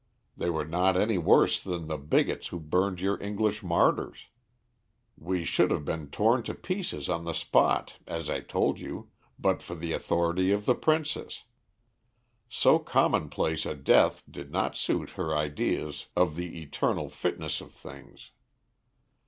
They were not any worse than the bigots who burned your English martyrs. "We should have been torn to pieces on the spot, as I told you, but for the authority of the princess. So commonplace a death did not suit her ideas of the eternal fitness of things.